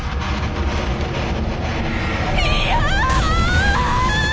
いや！